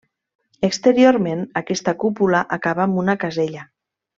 Exteriorment aquesta cúpula acaba amb una casella.